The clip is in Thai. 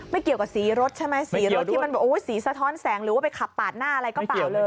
ไม่เกี่ยวกับสีรถใช่ไหมสีรถที่มันแบบสีสะท้อนแสงหรือว่าไปขับปาดหน้าอะไรก็เปล่าเลย